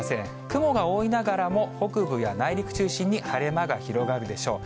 雲が多いながらも、北部や内陸中心に晴れ間が広がるでしょう。